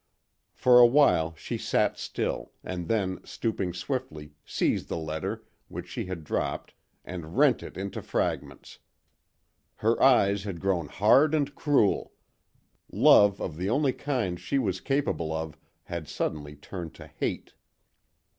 For a while she sat still, and then, stooping swiftly, seized the letter, which she had dropped, and rent it into fragments. Her eyes had grown hard and cruel; love of the only kind she was capable of had suddenly turned to hate.